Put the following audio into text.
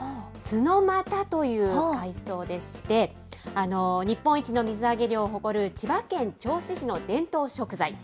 ツノマタという海藻でして、日本一の水揚げ量を誇る千葉県銚子市の伝統食材。